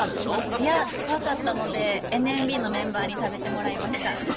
いや怖かったのでＮＭＢのメンバーに食べてもらいました。